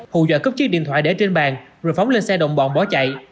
hù dọa cướp chiếc điện thoại để trên bàn rồi phóng lên xe đồng bọn bỏ chạy